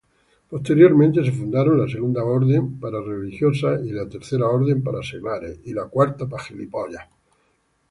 Posteriormente, se fundaron la Segunda Orden, para religiosas, y la Tercera Orden, para seglares.